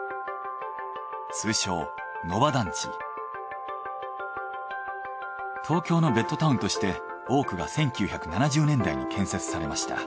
通称東京のベッドタウンとして多くが１９７０年代に建設されました。